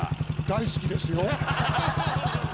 大好きですよ。